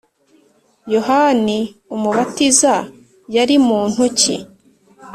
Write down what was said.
yohani umubatiza yari muntu ki